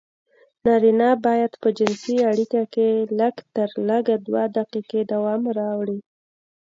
نارينه بايد په جنسي اړيکه کې لږترلږه دوې دقيقې دوام راوړي.